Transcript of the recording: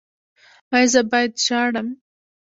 ایا زه باید ژاړم؟